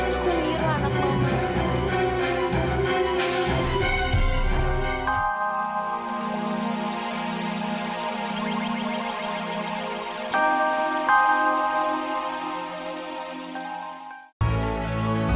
aku mira anak mama